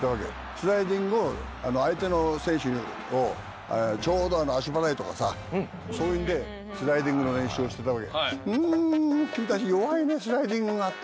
スライディングを相手の選手をちょうど足払いとかさそういうんでスライディングの練習をしてたわけ。